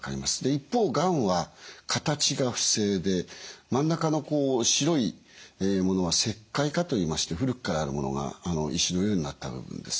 一方がんは形が不整で真ん中の白いものは石灰化といいまして古くからあるものが石のようになった部分です。